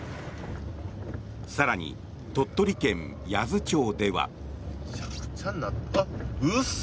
更に、鳥取県八頭町では。